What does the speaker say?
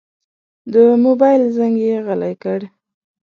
د موبایل زنګ یې غلی کړ.